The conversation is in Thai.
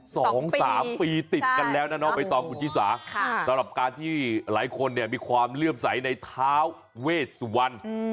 สองสามปีติดกันแล้วนะน้องใบตองคุณชิสาค่ะสำหรับการที่หลายคนเนี่ยมีความเลื่อมใสในเท้าเวชสุวรรณ